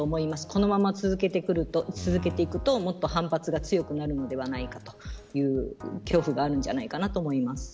このまま続けていくともっと反発が強くなるのではないかという恐怖があるんじゃないかと思います。